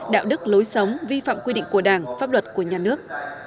đạo đức lối sống vi phạm quy định của đảng pháp luật của nhà nước